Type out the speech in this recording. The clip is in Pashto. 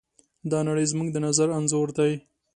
دا نړۍ زموږ د نظر انځور دی.